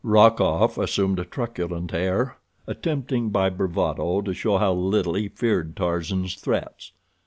Rokoff assumed a truculent air, attempting by bravado to show how little he feared Tarzan's threats.